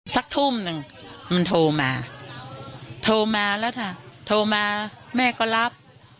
สักทุ่มหนึ่งมันโทรมาโทรมาแล้วค่ะโทรมาแม่ก็รับ